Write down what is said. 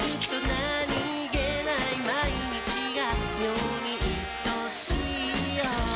何気ない毎日が妙にいとしいよ